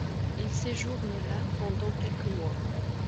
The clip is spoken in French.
Il séjourne là pendant quelques mois.